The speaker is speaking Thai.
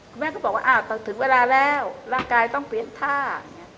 คุณแม่ก็บอกว่าอ้าวถึงเวลาแล้วร่างกายต้องเปลี่ยนท่า